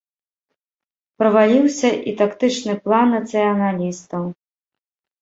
Праваліўся і тактычны план нацыяналістаў.